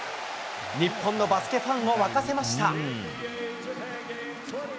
日本のバスケファンを沸かせました。